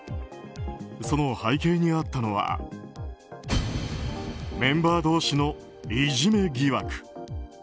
その背景にあったのはメンバー同士のいじめ疑惑。